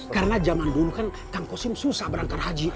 karena zaman dulu kan kang kostim susah berangkat haji